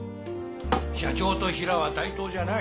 社長とヒラは対等じゃない。